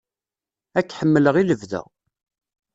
Ad k-ḥemmleɣ i lebda.